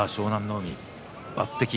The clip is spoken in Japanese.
海、抜てき。